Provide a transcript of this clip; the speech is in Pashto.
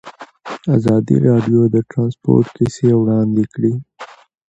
ازادي راډیو د ترانسپورټ کیسې وړاندې کړي.